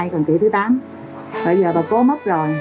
cố đi vô ơi